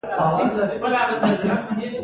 ددې ودانۍ لوړوالی یو زر دوه سوه پنځوس فوټه دی.